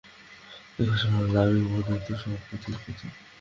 দেখো সরলা, আমি মানি নে ও-সব পুঁথির কথা।